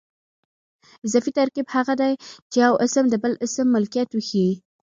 اضافي ترکیب هغه دئ، چي یو اسم د بل اسم ملکیت وښیي.